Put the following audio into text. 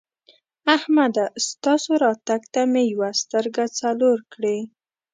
احمده! ستاسو راتګ ته مې یوه سترګه څلور کړې.